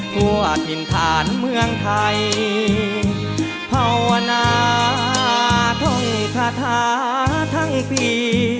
ทั่วถิ่นฐานเมืองไทยภาวนาท่องคาถาทั้งปี